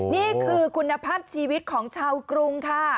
นี่คือคุณภาพชีวิตของชาวกรุงค่ะ